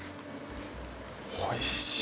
おいしい。